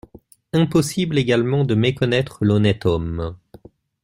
Impossible également de méconnaître l'honnête homme.